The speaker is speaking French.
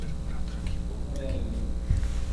Pour combien de nuits ?